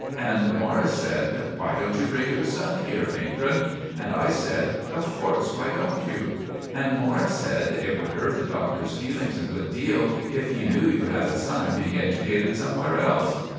And Morris said "Why don't you bring your son here, Matron?" And I said "Of corse, why don't you?" And Morris said "It would hurt the Doctor's fealings a good deal if he knew you had a son being educated somewhere else."